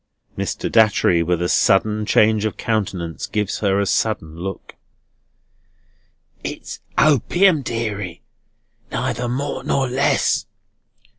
Mr. Datchery, with a sudden change of countenance, gives her a sudden look. "It's opium, deary. Neither more nor less.